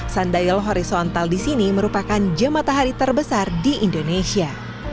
sundial horizontal di sini merupakan jam matahari terbesar di indonesia